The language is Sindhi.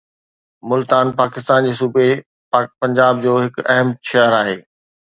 ملتان پاڪستان جي صوبي پنجاب جو هڪ اهم شهر آهي